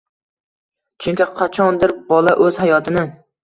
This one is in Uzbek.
chunki qachondir bola o‘z hayotini